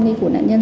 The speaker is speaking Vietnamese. ngay của nạn nhân